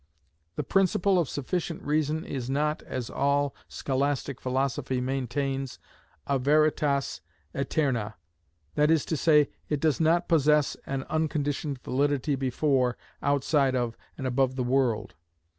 The principle of sufficient reason is not, as all scholastic philosophy maintains, a veritas aeterna—that is to say, it does not possess an unconditioned validity before, outside of, and above the world.